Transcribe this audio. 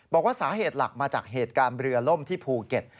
บอกว่าสาเหตุหลักมาจากเหตุการณ์เรือล่มที่ภูเก็ต